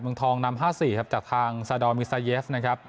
เมืองทองนำห้าสี่ครับจากทางซาดอเดอร์มิสาเยฟนะครับ